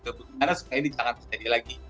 karena supaya ini jangan terjadi lagi